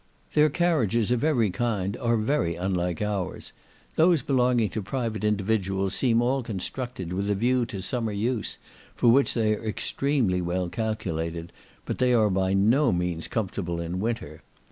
Their carriages of every kind are very unlike ours; those belonging to private individuals seem all constructed with a view to summer use, for which they are extremely well calculated, but they are by no means comfortable in winter.